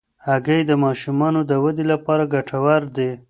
هګۍ د ماشومانو د ودې لپاره ګټورې دي.